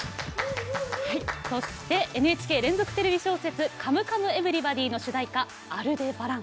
ＮＨＫ連続テレビ小説「カムカムエヴリバディ」の主題歌「アルデバラン」。